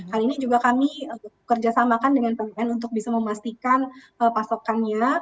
hal ini juga kami kerjasamakan dengan pln untuk bisa memastikan pasokannya